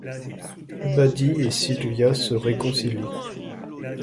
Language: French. Buddy et Sylvia se réconcilient.